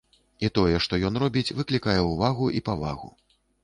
І тое, што ён робіць, выклікае ўвагу і павагу.